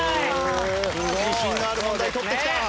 自信がある問題取ってきた！